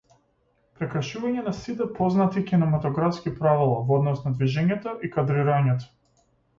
Прекршување на сите познати кинематографски правила во однос на движењето и кадрирањето.